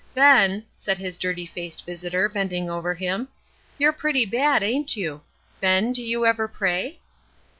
'Ben,' said his dirty faced visitor, bending over him, 'you're pretty bad ain't you? Ben, do you ever pray?'